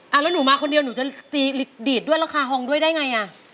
แล้วหนูมาคนเดียวหนูจะตีดีดด้วยราคาฮองด้วยได้ไงอ่ะ